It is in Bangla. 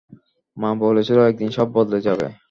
মা বলেছিল একদিন সব বদলে যাবে।